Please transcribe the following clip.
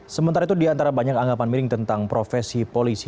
sementara itu di antara banyak anggapan miring tentang profesi polisi